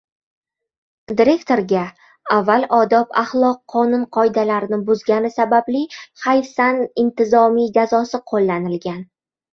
Direktorga avval odob axloq qonun qoidalarini buzgani sababli hayfsan intizomiy jazosi qo‘llanilgan